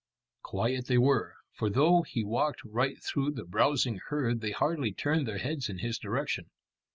Quiet they were, for though he walked right through the browsing herd they hardly turned their heads in his direction.